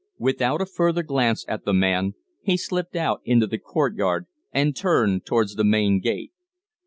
Without a further glance at the man, he slipped out into the court yard and turned towards the main gate.